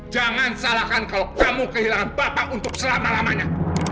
jangan salahkan kalau kamu kehilangan bapak untuk selama lamanya